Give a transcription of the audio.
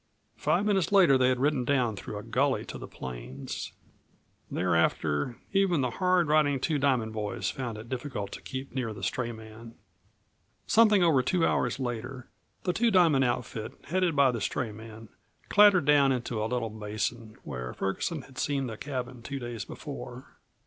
Five minutes later they had ridden down through a gully to the plains. Thereafter, even the hard riding Two Diamond boys found it difficult to keep near the stray man. Something over two hours later the Two Diamond outfit, headed by the stray man, clattered down into a little basin, where Ferguson had seen the cabin two days before.